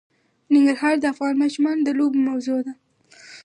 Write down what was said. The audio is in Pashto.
ننګرهار د افغان ماشومانو د لوبو موضوع ده.